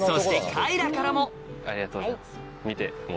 ありがとうございます見ても？